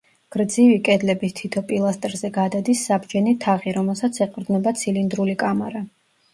გრძივი კედლების თითო პილასტრზე გადადის საბჯენი თაღი, რომელსაც ეყრდნობა ცილინდრული კამარა.